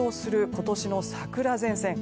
今年の桜前線。